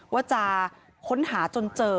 ว่าจะค้นหาจนเจอ